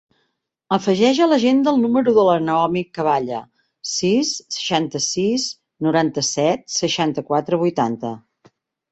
Afegeix a l'agenda el número de la Naomi Caballe: sis, seixanta-sis, noranta-set, seixanta-quatre, vuitanta.